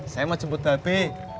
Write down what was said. saya mau jemput babe